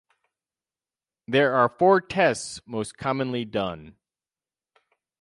There are four tests most commonly done.